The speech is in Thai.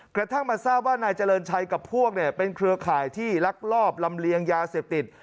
กระทั่งมาทราบว่านายเจริญชัยกับพวกเนี่ยเป็นเครือข่ายที่ลักลอบลำเลียงยาเสพติด